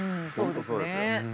そうですね。